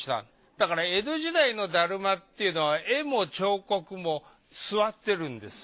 だから江戸時代の達磨っていうのは絵も彫刻も座ってるんです。